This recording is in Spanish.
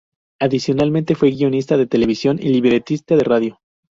Adicionalmente, fue guionista de televisión y libretista de radio.